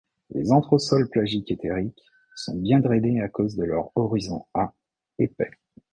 Les anthrosols plaggiques et terriques sont bien drainés à cause de leur horizon-A épais.